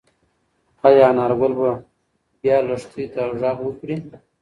ايا انارګل به بیا لښتې ته غږ وکړي؟